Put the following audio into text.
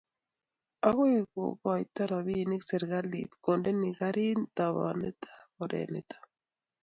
Agoi kekoite robinikab serikalit kendene karit tabanutab oret nito